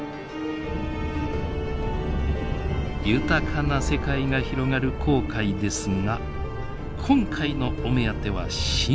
豊かな世界が広がる紅海ですが今回のお目当ては深海。